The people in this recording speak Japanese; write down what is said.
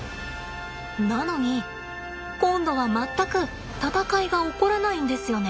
なのに今度は全く戦いが起こらないんですよね。